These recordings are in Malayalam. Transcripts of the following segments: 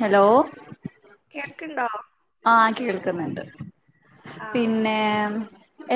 ഹലോ കേൾക്ക്ണ്ടോ ആ കേൾക്കുന്നുണ്ട്. ആ പിന്നെ മ്.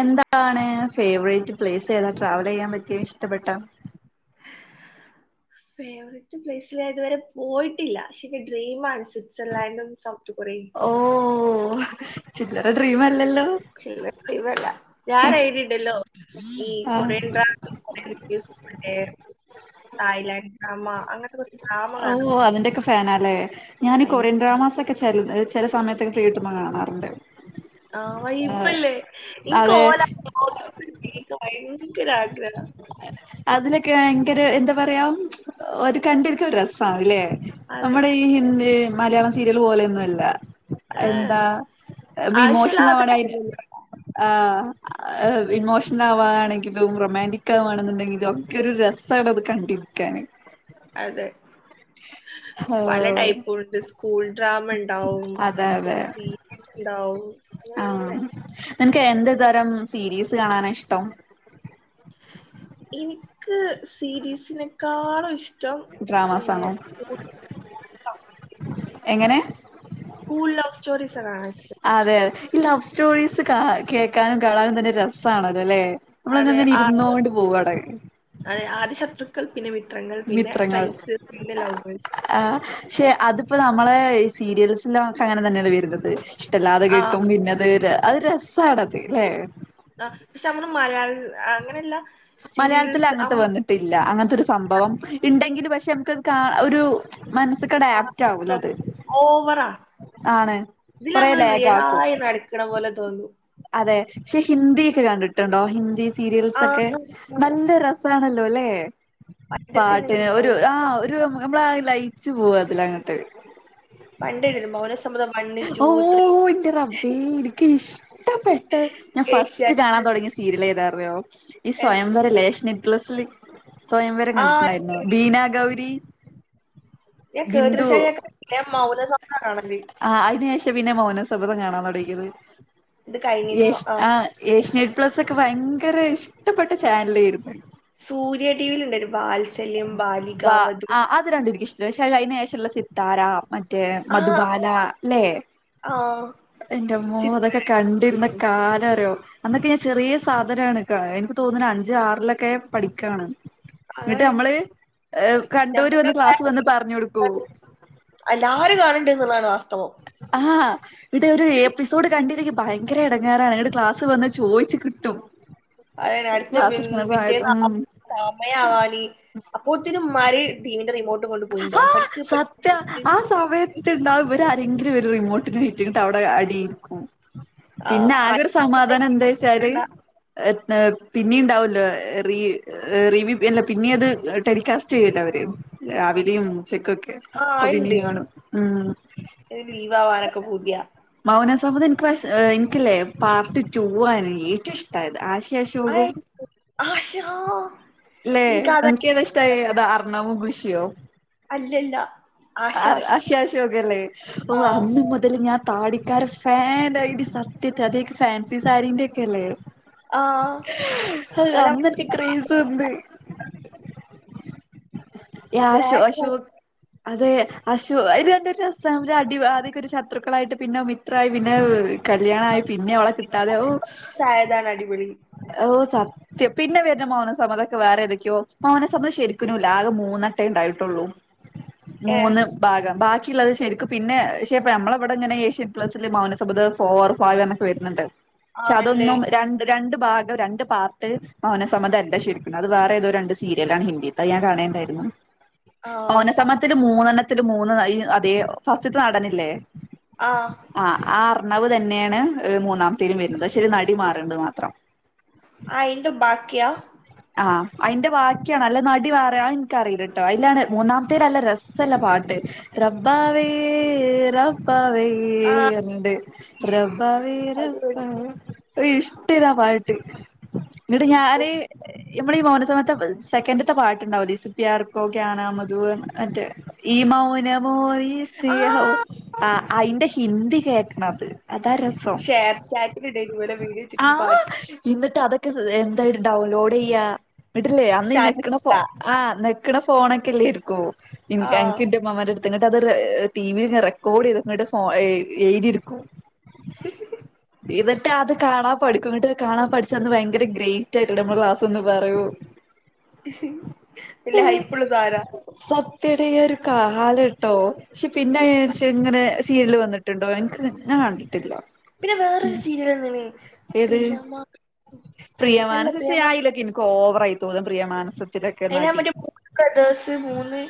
എന്താണ് ഫേവറേറ്റ് പ്ലേസ് ഏതാ ട്രാവൽ യ്യാൻ പറ്റിയ ഇഷ്ടപ്പെട്ട? [inaudible] ഫേവററ്റ് പ്ലേസിൽ ഞാതുവരെ പോയിട്ടില്ല ഷെന്റെ ഡ്രീം ആണ് സ്വിറ്റ്സർലാൻഡും, സൗ ഓ...... ചില്ലറ ഡ്രീം അല്ലല്ലോ. [unintelligible] ഞാനെഴുതിണ്ടല്ലോ. ഈ ആഹ് കൊറിയൻ ഡ്രാമെം മറ്റേ തായ്ലാൻ ഡ്രാമ അങ്ങൻത്തെ കൊർച്ച് ഓ ഹൊ അതിന്റൊക്കെ ഫാനാലെ? ഞാൻ അതിന്റെ കൊറിയൻ ഡ്രാമാസ് ഒക്കെ ചെൽ ചില സമയത്തൊക്കെ ഫ്രീട്ടുമ്പ കാണാറുണ്ട്. ആ ആ, വൈബല്ലേ ഇൻക്ക് അതെ ഓല [unintelligible] [unintelligible] ആഗ്രഹാ. അതിലൊക്കെ വയങ്കര എന്താ പറിയാ ഒര് കണ്ടിരിക്ക രസാണ്ല്ലേ. അതെ നമ്മുടെ ഈ ഹിന്ദി മലയാളം സീരിയൽ പോലെയൊന്നുംല്ല. ഏ എന്താ ഏ ഇമോഷൻൽ ആവശ്യമില്ലാത്ത ആവണ [unintelligible] കാര്യങ്ങളൊന്നുമില്ല ആ.... ഇമോഷണൽ ആവാണെങ്കിലും റൊമാന്റിക് ആവാണെന്നുണ്ടെ ഇതൊക്കെ ഒരു രസമാണ് അത് കണ്ടിരിക്കാന് അതെ ഹോ പല ടൈപ്പു ഉണ്ട് സ്കൂൾ ഡ്രാമ ഉണ്ടാവും സീരിൽസ് ഉണ്ടാവും ആ നിനക്ക് എന്ത് തരം സീരീസ് കാണാനാ ഇഷ്ടം എനിക്ക് സീരീസിനെക്കാളും ഇഷ്ടം ഇങ്ങനെ ഡ്രാമാസാണോ സ്കൂൾ സ്കൂൾ എങ്ങനെ സ്കൂൾ ലവ് സ്റ്റോറി സ കാണാനിഷ്ടം അതെ ഈ ലവ് സ്റ്റോറീസ് കാ കേൾക്കാനും കാണാനും തന്നെ രസാണല്ലോ അല്ലേ നമ്മളങ്ങ അതെ അങ്ങനെ ആ ഇരുന്നോണ്ടി പോവടെ അതെ ആദ്യ ശത്രുക്കൾ പിന്നെ മിത്രങ്ങൾ പിന്നെ ഫ്രണ്ട്സ് പിന്നെ ലവ് ആഹ് പക്ഷെ അതിപ്പോ നമ്മളെ സീരിയൽസല്ലാംക്കെ അങ്ങനെ തന്നെയാല്ലേ വരുന്നത് ഇഷ്ടമല്ലാതെ ആ കിട്ടും പിന്നെ അത് അത് രസണത് അല്ലെ ആ പക്ഷെ നമ്മള് മലയാള അങ്ങനെയല്ല മലയാളത്തി സീരിയൽസ് അം അങ്ങനത്തെ വന്നിട്ടില്ല അങ്ങനത്തെരു സംഭവം ഇ ണ്ട പക്ഷെ നമുക്ക് ക ഒരു മനസിക്ക് ആ അടാപ്റ്റ് തോ ആവലത് ഓവറാ ആണ് ഇതില് കൊറെ നമ്മള് ലാഗക്കും റിയലായി നടക്കണ പോലെ തോന്നും അതെ പക്ഷെ ഹിന്ദിക്കെ കണ്ടിട്ടുണ്ടോ ഹിന്ദി ആ സീരിയൽസ്സ ക്കെ നല്ല രസ ആണല്ലോ അല്ലെ പണ്ടത്തെ പാട്ടിന് മൗ ഒരു ആ നമ്മ ള വച്ച് പോവാ അതിലങ്ങട്ട് പണ്ടെഴുതും മൗനസമ്മതം വണ്ണ് ടു ഓ ത്രീ എന്റെ റബേ എനിക്ക് ഇഷ ഇഷ്ടപ്പെട്ട് ഞാൻ ഫസ്റ്റ് കാണാൻ ഏഷ്യാനെറ്റ് തുടങ്ങി സീരിയൽ എതറിയോ ഈ സ്വയംവരെ ലേഷ പ്ല സില് സ്വയംവരം ആ കണ്ടിട്ടുണ്ടായിരുന്നു ബീന ഗൗരി ഞാൻ കേട്ടിന് ബിന്ദു ശേഷം ഞാൻ കണ്ടില്ല ഞാൻ മൗനസമ്മതം കാണല് ആ അതിന് ശേഷം പിന്നെ മൗനം സമ്മതം കാണാൻതു ഇകിനു ഇത് കഴിഞ്ഞേന് മു യശിയാ ആ യേഷി പ്ലസ്സൊക്കെ ഭയങ്കര ഇഷ്ടപ്പെട്ട ചാനലായിയിരുന്നു സൂര്യടിവി യി ൽ ഉണ്ടായി രുന്നു വാത്സല്യം ബാലികാവതു ശേഷം അഴന് ശേഷമുള്ള സിത്താര മറ്റേ ആ മധുബാല അല്ലേ ആ എന്റെ മോ ചിത്ര അതൊക്കെ കണ്ടിരുന്ന കാലം അറിയോ അന്നൊക്കെ ഞാൻ ചെറിയ സാധനാണ് എനിക്ക് തോന്നുന്നത് അഞ്ച ആറിലൊക്കെ പഠിക്കാണ് എന്നിട്ട് അതാണ് നമ്മള് കണ്ടൂര് നമ്മുടെ വന്ന് ക്ലാസ് വന്ന് പ്രായത്തില് പറഞ്ഞ കൊടുക്കും എല്ലാരും കാണണ്ടേ എന്നുള്ളാണ് ആ ഇവിടെ ഒരു എപ്പിസോഡ് കണ്ടിരിക്ക ഭയങ്കര ഇടങ്ങാറാണ് ട് ക്ലാസ് വന്ന് ചോയിച്ചു കിട്ടും ക്ലാസിൽ സമയിട്ടും സാമയാവാലി അപ്പോ ഒത്തിരി മാരി ദി ആ സത്യ ആ പഠിക്ക് സമയത്ത്ണ്ടാവകും ഇവരാ രെങ്കിലും ഒരു റിമോട്ടിന് റ്റട്ട അവിടെ അടിയിരിക്കും ആഹ് പിന്നെ ആകെ ഒരു സമാധാനം എന്താ വെച്ചാല് ആഹ് പിന്നെ ഉണ്ടാവല്ലോ റി റി വ്യൂ അല്ല പിന്നെ അത് ടെലികാസ്റ്റ് ചെയ്യൂലോ അവര് രാവിലെയും ഉച്ച ക്കൊക്കെ അപ്പൊ പിന്ന കാണും ഉ ഇത് ലി വാവാനൊക്കെ പൂതിയാ അഭത് എനിക്ക് എനിക്കല്ലേ പാർട്ട് ടൂ ആണ് ഏറ്റവും ഇഷ്ടമായത് ആ ആയി ആശാ ല്ലെ ഇൻക്കതാ നിനക്ക് ഏത ഇഷ്ടായി അത് അറിണമോ വിഷിയോ അല്ലല്ല ആശ ആ ആശ ആശാഷോകല്ലേ ഓ ആഹ് അന്ന മുതലൽ ഞാ താടിക്കാർ ഫാൻായിട്ട് സത്യത്തി അത ഫാൻസി സാരിന്റെ ക്കെ ല്ലേ ആഹ് അ ഓല അന്നർക്ക് ക്രേസ് ഉണ്ട് അശോ ബ്ലാക്ക് അശോക് അതെ അശ ഇ എന്ത ഒരു അടി അത ഒരു ശത്രുക്കളായിട്ട് പിന്നെ മിത്രായി പിന്നെ കല്യാണമായി പിന്നെ അവളെ കിട്ടാതെ ചായതാണ് അടിപൊളി ഓ സത്യം പിന്നെ വരുന്ന മോന സമ്മതൊക്ക വേറെ തൊക്കെയോന സമ്മത ശരിക്കന ആകെ മൂന്നട്ട ഉണ്ടായിട്ടുള്ളൂ ഏഹ് മൂന്ന് ഭാഗം ബാക്കി അത് ശരിക്കും പിന്നെക്ഷെ ഇപ്പ നമ്മളെവിടെ ഇങ്ങനെ ഏഷ്യൻ പ്ലസില് മൗനസഭദ ഫോ ഫവ് എന്നൊക്കെ വരുന്നുണ്ട്. പക്ഷെ ആഹ് ഇണ്ട് അതൊന്നും രണ്ട് രണ്ട്. ഭാഗം രണ്ട് പാട്ട് മൗനസമതല്ല ശരിക്കും അത് വേറെ ഏത് ഒരു രണ്ട് സീരിയലാണ് ഹിന്ദിത്തെ ണണ്ടയിരുന്നു ആഹ് മൗനസമ്മതത്തിൽ മുന്നണ്ണത്തി മൂ അത ഫസ്റ്റ് നടനില്ലേ ആഹ് ആ കർണവ് തന്നെയാണ് മൂന്നാമത്തേും വരുന്നത്ക്ഷരി നടി മാറണ്ട് മാത്രം. ആയിന്റെ ബാ ക്യാ അതിന്റെ വാക്കിയാണ് അല്ല നടി പറൻ എനിക്കറിയില്ലട്ടോ അതിലാണ് മൂന്നാമത്തെേ ഒരു നല്ല രസമല്ല പാട്ട് - റബാവേ റബാവേ ണ്ട് റബബ വേ അത് വഴി ഇഷ്ടില്ല പാട്ട് ട്ട് ന് ക്കും ഇമ്മടെ ഈ മൗനസമയത്തെ സെക്കൻഡത്തെ പാട്ടുണ്ടാവ ലി സപിാർക്കോനാ മധുൻ മറ്റേ ഈ മൗനമോറി സേഹോ ആഹ് ആ അതിന്റെ ഹിന്ദി കേക്കണ അത് അതാ രസം ഷെയർ ചാറ്റിലിടേനി ഇവലെ വീഡിയോ വെച്ചിട്ട് ആഹ പാട്ട് എന്നിട്ട് അതൊക്കെ എന്തായിട്ട് ഡൗൺലോഡ് ചെയ്യ ഇട്ടില്ലേ അന്ന് നക്ക ഫോ ആ ഫോണൊക്കെല്ലേരിക്കും ആഹ് എനിക്ക് ൻന്റെ മേൻ ക്ക് ങ്ങോട്ട് അത് ടി വിയിൽ ഞ റെക്കോർഡ് ചെയ്തങ്ങോട്ട് എഴുതിരിക്കും ഇന്നിട്ടാട്അതാകാണാൻ പഠിക്കും ഇങ്ങിട്ട് കാണാൻ പഠിച്ചന്ന് ഭയങ്കര ഗ്രേ ട്ട നമ്മൾ ക്ലാസ് ഒന്ന് പറയൂ. ഉ ഹ് ഹ് പില്ല ഹൈപ്പുള്ള സാരാ എടീ ഒരു കാലം ഇട്ടോ പക്ഷെ പിന്നെ അയ്ന് ഷംഇങ്ങനെ സീ എൽൽ വന്നിട്ടുണ്ടോ അനക്ക് ഞാൻ കണ്ടിട്ടില്ല. പിന്നെ വേറൊരു ഉം സീരിയൽ വന്ന്ണ് ഏത് പ്രിയമാഅല്ല പ്രിയമാനസം പക്ഷെ അയിലൊക്കെ എനിക്ക് ഓവറായി തോന്നും പ്രിയമാനസം അനമ്മറ്റേ മൂന്ന് ബദേേഴ് സ് മൂന്ന്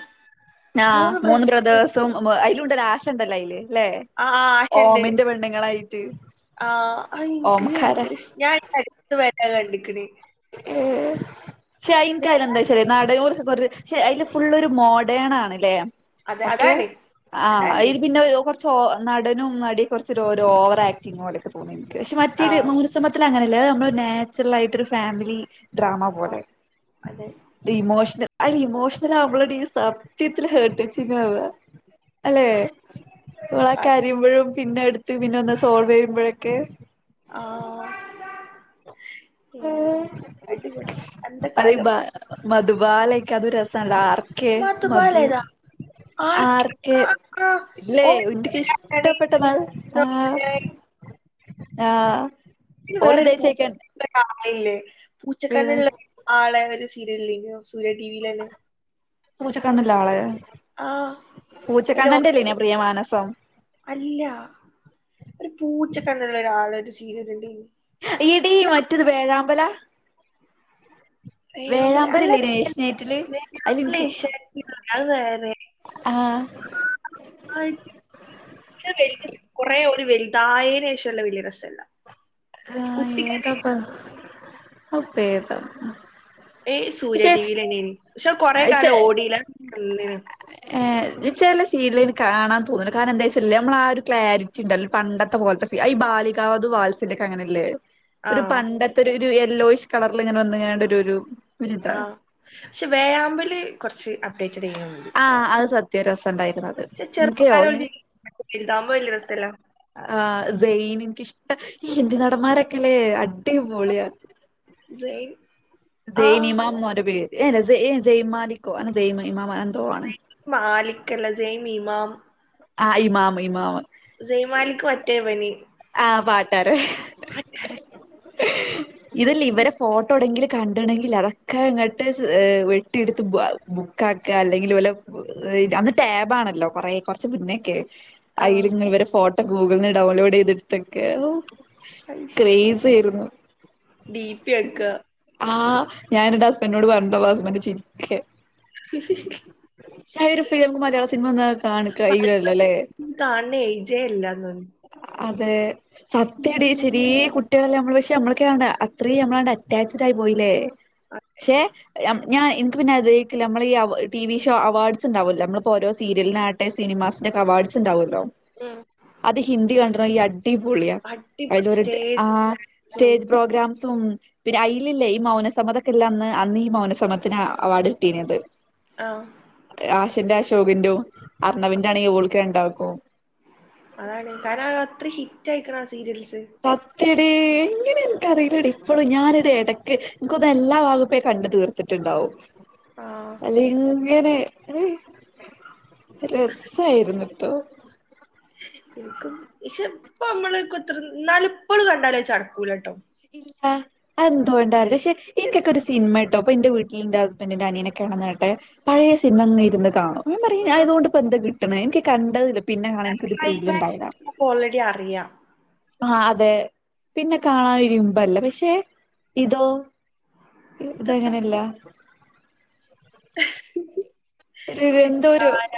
ആഹ് മൂന്ന് ബ്രദേേഴ്സും അതിലുണ്ടല്ലേ ആശ ഉണ്ടല്ലോ അയില് അല്ലെ ആ ഓമിന്റെ പെണ്ങ്ങളായിട്ട്. ആഹ് അഹ്ൻക്ഭയങ്കരഷ്ടാഞാൻ ഇപ്പോഅടുത്ത് വരെരാ കണ്ടി ഏ ചൈൻകർ എന്താ [unintelligible] ച്ച നാടൻ പക്ഷെ അതില് ഫുള് ഒരു മോഡേൺ ആണല്ലേ? അത് ഓക്കെ അതാണ് ആ അതാണ് അയിൽന് പിന്നെകൊർ കു നടനും നടിയ കുറച്ച് ഓരോ ഓവർ ആക്ടിങ്ങും പോലൊക്കെ തന്നി എനി പക്ഷെ ആ മറ്റൊരു നൂ ഒരു സമത്തി അങ്ങന അത് ഞമ്മളെ നാ ചെറൽ ആയിട്ട് ഒരു ഫേമിലി ഡ്രാമ ആ പോലെ അതെ ഒര് ഇമേഷണൽ അ ഇമോഷണൽ നമ്മളുടെ സത്യത്തിൽ കേട്ടിച്ചി അല്ലെ ഓള് അതെ കരയിപ്പളുംപിന്നെ എടുത്ത് പഒന്ന് സോൾവ്‌ യ്യുമ്പല കെ [inaudible] എ അടിപടി അന്ത കാലം. മധുബാലക്ക അത് രസല്ല ആർക്കെ മധു മാത്തുപ്പാലേതാ - ആർക്ക് ആർക്കെ ആ ആ ആ. ഇല്ലേ ഓൻ എന്റെക്ക് ആരാണ്? ഇഷ്ടപ്പെട്ട നാൾ ആ ആഹ വേറൊരു പൂച്ച ആളല്ലേ പിന്നെ പൂച്ചക്കണ്ണുള്ളആളെ സീരിയൽ ലന്നോ സൂര്യ ടി വി ലെല്ല പൂച്ചക്കണ്ണല്ല ആള് അയില് പൂച്ചക്കണ്ണന്റെല്ലേനെ പ്രിയമാനസം. അല്ല ഒരു പൂച്ചക്കണ്ടുള്ള ഒരാള ഒരു സീരല്ണ്ടൈ നി ഇഈട മറ്റത് പേഴാമ്പലാ ല അല്ല ഏഷ്യാനെറ്റില് [unintelligible] അത് വേറെ ആ ആ വലു കൊറെേ ഒരു വലുതായന ശേഷമുള്ള വീഡിയോ രസല്ല ആ കുട്ടിക്കാലം ഏതാപ്പ അപ്പ ഏതാ ഏയ്സൂര്യ ടിവിൽന്നെയനി പക്ഷെ കൊറെേ കാലം ഓടില്ല ആഏ എടി ചില സീരിയൽ കാണാ തോന്നുലാ കാരണം എന്താ വച്ച നമ്മള ആ ഒരു ക്ലാരിറ്റി ഉണ്ടല്ല പണ്ടത്തെ പോലത്തെ പാലിക്കാവത് വാത്സിലോക്കെ ഒക്കെ അങ്ങനെയല്ലേ ആ ഒരു പണ്ടത്തെ ഒരു ഒരു യെല്ലോയിഷ് കളറൽ ഇങ്ങനെ വന്നങ്ങണ്ട ഒരു ഒരു ഒരിതാ ആപക്ഷെ വേയാമ്പല് കുറച്ച് അപഡേറ്റ് ഒരിങ്ങി മതി ആഹ് അത് സത്യ രസണ്ടായിരുന്നു അത് ഇൻക്ക് ഓനിം ചെറുപ്പക്കാരുതാകുമ്പോ വലിയ രസല്ല ആ സയിന് എനിക്ക് ഇഷ് ഈ ഇന്ത്യ നടന്മാരൊക്കെല്ലേ അടിപോളിയാ ജയ് ആ ജയ്ൻ ഇമാം എ ന്ന് പറ പേര് ഏല്ലയ് ജയ്മാലിക്കോ അന ജയ് ഇമ ഇമാം എ തോആ ണ് കല്ല സയിൻഇമാം ആ ഇമാമ ഇമാമ മാലിക് ആ പാട്ട പാട്ട് ഇതല്ലേ ഇവരെ ഫോട്ടോ എടെങ്കില കണ്ടണെങ്കിൽ അതൊക്കെ അങ്ങോട്ട് വെട്ടിയെടു ബുക്കാക്ക അല്ലെങ്കിൽ അന്ന് ടാബ്ആണല്ലോ കുറേ കുറച്ച് മു ന്നേക്കെ ആ അയിൽ ഇങ്ങ വരെ ഫോട്ടോ ഗൂഗിളന്ന് ഡൗൺലോഡ് ചെയ്തെടുത്തൊക്കെ അഹു ക്രേസ് ആയിരുന്നു ഡി പി ഒക്കെ ആ ഞാന് എന്റെ ഹസ്ബന്റി നോട് പറഞ്ഞു ണ്ടോ ഹുസ്ബന്റ് ചിരിക്ക [inaudible] ശകലം ഫ്രീ വരുമ്പോ നമുക്ക് മയാള സിനിമ കാണും പറയുമ്പോ കയില്ലല്ലേ കാണുന്ന ഏജേ അല്ലാന്ന് തോന്നുന്നു അ [unintelligible] സത്യാഡീ ചെറിയ കുട്ടികളല്ലെ നമ്മൾ നമ്മക്കണ്ട് അത്രയും നമ്മളാണ്ട് അറ്റാച്ചഡ് ആയി പോയില്ലേ അതെ പക്ഷെഞാൻ എനിക്ക് പിന്നെ ഇത നമ്മള ഈ ടി വി ഷോ അവാർഡ്സ് ഇ ണ്ടാവകല്ലോ നമ്മിപ്പോ ഓരോ സീ സീരിയലാവട്ടെ സിനിമാന്സ് അവാർഡ്സ് ഉണ്ടാവുമല്ലോ ഉം അത് ഹിന്ദി കണ്ട അടിപൊളിയാ അടിപൊളി അതിലരു സ്റ്റേജ് ആ ഉം സ്റ്റേജ് പ്രോഗ്രാം തും പിന്നെ അയില്ലല്ലേ ഈ മൗനസമ്മതൊക്കെല്ല അന്ന് അന്ന് ഈ മൗനസമത്തിന് അവാർഡ് കിട്ടിന്നത് ആ ആശന്റെ അശോകന്റോം അർണവിന്റെ ആണെങ്കിൽ ഓൾക് രണ്ടാൾക്കും അതാണ് കാരണം അഹ് അത്ര ഹിറ്റ് ആയിക്ണ് ആ സീരിയൽ സത്യ ടീ ങ്ങനെ ഇൻക്ക്അറിയില്ലടി ഇപ്പോളും ഞാനരു ഇടക്ക് ൻക്കോന്ന എല്ലാ വാകപ്പേ കണ്ട് തീർത്തിട്ടുണ്ടാവും ആ അല്ലെ ങ്ങനെ അഹ് രസായിരുന്നുട്ടോ ഇൻക്കും ഇഷേ ഇപ്പമ്മള് കുതൃ നാല് പ്പളുത് കണ്ടാലും അയ് ചടക്കൂലാട്ടോ ഇല്ല അത് എന്തുകൊണ്ടാറില്ല പക്ഷെ എനിക്കൊക്കെ ഒരു സിനിമ ട്ടോ പൊ ഇന്റെ വീട്ടിൽ ഇന്റെ ഹസ്ബൻഡന്റെ അനിയനൊക്കെ [unintelligible] പഴയ സിനിമങ്ങ ഇരുന്ന് കാണു ഞാ പറയും ആ ഞാൻ ഇതുകൊണ്ട് ഇപ്പോ എന്ത് കിട്ടണ എനിക്ക് കണ്ടതില് പിന്നെ കാണൻ എനിക്കൊരു ത്രീല്ല് ഉണ്ടാവ് ക്ലൈമാക്സ് ല നമുക്ക് ഓൾറെഡി അറിയാം ആഹ് അതെ പിന്നെ കാണാൻ ഒരിമ്പല്ല പക്ഷെ ഇതോ ഇത് ശ- ഇതെങ്ങനെയല്ല ഒരു എന്തോരു സിത്താര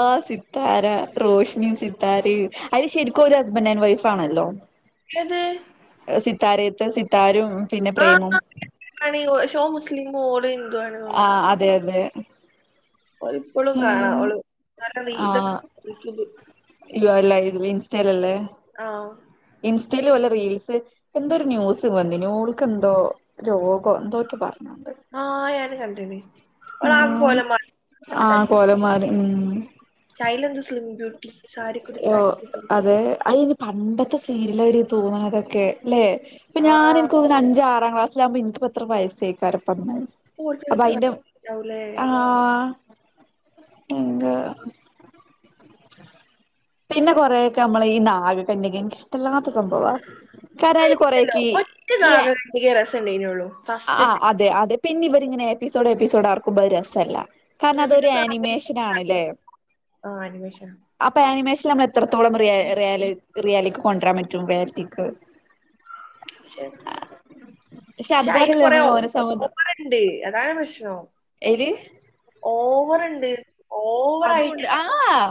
ആഹ് സിത്താര റോഷനിയും സിത്താരയു അയ്ല് ശരിക്കും ഒരു ഹസ്ബൻഡറ് ആൻ വൈഫ് ആണല്ലോ ഏത് സിത്താരയത്തെ സിത്താരും പിന്നെ പ്രേമും ആഹ് ഹണീറോഷോ ഓൻ മുസ്ലിമ് ഓള് ഹി ആഹ് അതെ യതെ. ഒരിപ്പളും കാണാം ഓളു [unintelligible] ഇവ ലൈവ്ലിൻസ്റ്റേല്ലല്ലേ? ആഹ് ഇൻസ്റ്റേല് പോലെ റീൽസ് എന്തോരു ന്യൂസ് വന്ന്ന് ഓൾക്കന്തോ രോഗോ എന്തോറ്റ പറഞ്ഞു. ആഹ് ഞാന്കണ്ട്ണ്. ഓളാകെ ആഹ് കോലം മറ ച്ചൊക്കെ ആഹ് തടിച്ച് കോലന്മാര് ഉം സൈലെന്ത്‌ സ്ലിം ബ്യൂട്ടി, സാരി ഓ കുടുത്ത് അടിപൊളി അതെ അയിന് പണ്ടത്തെ സീരിയലവര് തൂങ്ങ്ണതൊക്കെ ല്ലെ, പ്പൊ ആ ഞാനെ നിക്ക് ഓന്ന്ണ് അഞ്ചാ ആ ത്താം ക്ലാസിലാവ്മ്പ ഇൻക്ക്പ്പെത്ര വയസ്സെയിക്കാരം ഇപ്പംന്ന്. അപ്പ അയിന്റെ ലവുലേ ആഹ് എന്താ പിന്നെ കൊറേയൊക്കെ നമ്മളേ ഈ നാഗ കനൃകെ എനിക്കിഷ്ടല്ലാത്ത സംഭവാത്. [unintelligible] ആയിരിക്കല്ലോ കൊറേക്കീ ഒറ്റ [unintelligible] നാഗകണ്ണിക രസം ഉണ്ടായിരുന്നുള്ളൂ ആഹ് ഫസ്റ്റത്തെ അതെ അതെ പിന്നി വരിങ്ങനെ എപ്പിസോഡ് എപ്പിസോഡർക്കുമ്പൊത് രസല്ല. കാരണം പിന്നെ അതൊരു പിന്നെ നാഗ- ആനിമേഷനാണ്ല്ലേ? ആ അനിമേഷൻ അപ്പ ആനിമേഷൻല് നമ്മള് എ ത്രത്തോളം റിയ റിയാല് റിയാലിക്ക് കൊണ്ടരാൻ പറ്റും റിയാലിറ്റിക്ക്. പക്ഷെ പക്ഷെ ക്ഷെ അയിൽ അതുപോലെയല്ലേ കൊറേ നമ്മൾ ഓ മൗനസമ്മതം ഓവറ്ണ്ട് അതാണ് പ്രശ്നം. [unintelligible] ഏല് ഓവറ്ണ്ട് ഓ അതൂണ്ട് ആഹ്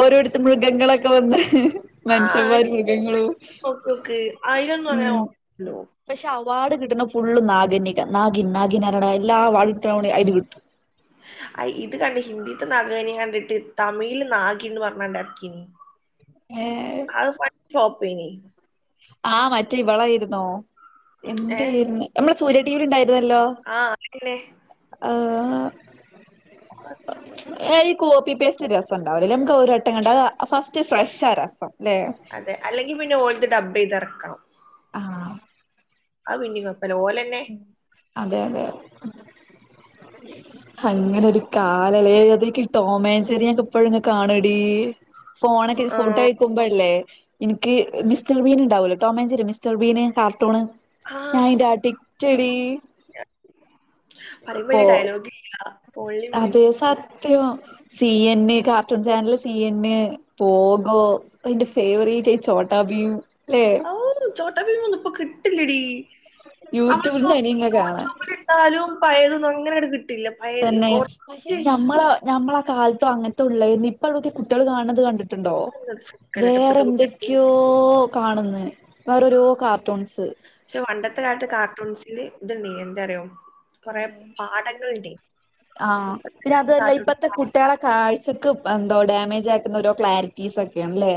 ഓരോര്ത്ത് മൃഗങ്ങളൊക്കെ വന്ന് ഇഹ് ആ അയില് മൻഷ്യന്മാരും മൃഗങ്ങളും നോക്ക്യോക്ക്. അയിലൊന്നും അങ്ങനെ ഉം. ഓവറില്ലല്ലോ. പക്ഷെ അ വാർഡ് കിട്ട്ണ് ഫുള്ള് നാഗന്യക്ക നാഗി നാഗിന നാരണ എല്ലാ [unintelligible] ഇത് കിട്ടും. അയ് ഇത് കണ്ട് ഹിന്ദി ത്ത നാഗ വല്ലിനെ കണ്ടിട്ട് തമിഴ്ല് നാഗിന്ന് പറഞ്ഞാണ്ട് എർക്കീനി. ഏഹ് [unintelligible] ആ മറ്റേ ഇവളായിരുന്നോ? ഏഹ് എന്തേര്ന്ന് നമ്മളെ സൂര്യ ടീവീല്ണ്ടായി ത് വല്ലോ ആഹ് അതന്നെ. ആഹ് ഏഹ് ഈ കോപ്പി പേസ്റ്റ് രസണ്ടാവുലല്ലേ. നമുക്കൊര്ട്ടം കണ്ടാ അയ് ഫസ്റ്റ് ഫ്രഷാ രസം. ല്ലേ അതെ, അല്ലെങ്കിൽ പിന്നെ ഓൽത് ഡബ്ബീതെറക്കണം. ആഹ് അയ് പിന്നി കൊ അതെ യതെ അങ്ങനൊരു കാല ല്ലേ അതൊക്കെ ടോമാൻ ജെറിക്കെ പ്പഴങ്ങ് കാണടീ. ഫോണൊക്കെ ഫോട്ടോ ആഹ് കഴിക്കുമ്പോഴല്ലേ? എനിക്ക് മിസ്റ്റർ ബീൻ ഉണ്ടാവല്ലോ ടോമൻചരി മിസ്റ്റർ ബീന് കാർട്ടൂണ് ആഹ് ഞാൻന്റെ ആട്ടി ചെടീ പറയുമ്പൊ ഇപ്പോ അയില് ഡയലോഗില്ല. Only music. അതെ സ യ സി എൻ എ കാർട്ടൂൺ ചാനല് സി എ ന്നെ, പോകോ അതിന്റെ ഫേവറേറ്റ് ട്ടെ ചോട്ടാ ബീം ഔ ചോട്ടാ ഭീമൊന്നുപ്പൊ കിട്ടിലിടീ അവള്പ്പോ യൂട്യൂബിന്റെ അനിയങ്ങ കാണാം യൂട്യൂബിലിട്ടാലും പയതൊന്നും തന്നെ, പക്ഷേ ടി ഞമ്മളെ നമ്മളെ കാലത്തും അങ്ങൻത്തെയുള്ളയെന്നെ ഇപ്പള്ള ത് കുട്ടിട്ട്യേള് കാണ്ണത് കണ്ടി ണ്ടോ കേട്ടോ വേറെ ഇപ്പത്തെ കുട്ടികൾക്ക് ന്തൊക്കെയോ കാണുന്നേ വേറൊരൂ കാർട്ടൂൺസ് ഇ ഇത്ണ്ട് എന്തറിയോ? കൊറെേ പാഠങ്ങള് ണ്ട്. ആ പിന്നെ തൊല്ല ഇപ്പത്തെ കുട്ടിട്ട്യേളെ കാഴ്ചക്ക് പ്പെന്തോ ഡാമേജ് ആക്കുന്ന രോ ക്ലാരിറ്റീസ് ഒക്കെയാണെല്ലേ?